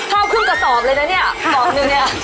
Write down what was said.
ข้าวครึ่งกระสอบเลยนะเนี่ยกล่องนึงเนี่ย